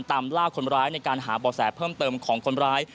ตามล่าคนร้ายในการหาบ่อแสเพิ่มเติมของคนร้าย